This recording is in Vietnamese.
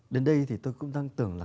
đến đây thì tôi cũng đang tưởng là